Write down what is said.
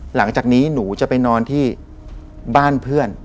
หลังจากนี้หนูจะไปนอนที่บ้านเพื่อน